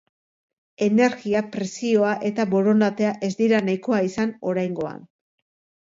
Energia, presioa eta borondatea ez dira nahikoa izan oraingoan.